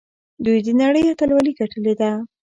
دوی د نړۍ اتلولي ګټلې ده.